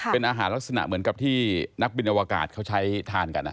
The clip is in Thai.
เป็นอาหารลักษณะเหมือนกับที่นักบินอวกาศเขาใช้ทานกัน